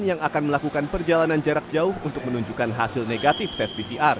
yang akan melakukan perjalanan jarak jauh untuk menunjukkan hasil negatif tes pcr